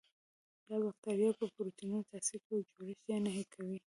د باکتریاوو په پروتینونو تاثیر کوي او جوړښت یې نهي کوي.